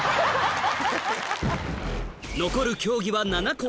残る競技は７個！